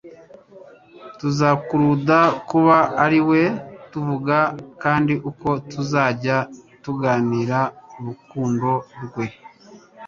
Tuzakuruda kuba ari we tuvuga; kandi uko tuzajya tuganira urukundo rwe,